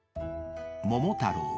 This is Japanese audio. ［『桃太郎』］